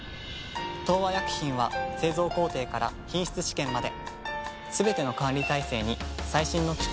東和薬品は製造工程から品質試験まですべての管理体制に最新の機器や技術を導入。